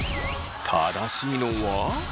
正しいのは。